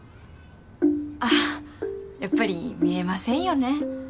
ああやっぱり見えませんよね。